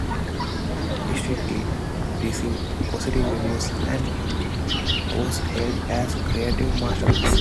"Streetcleaner" received positive reviews, and was hailed as a creative masterpiece.